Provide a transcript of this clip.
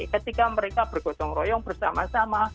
ketika mereka bergotong royong bersama sama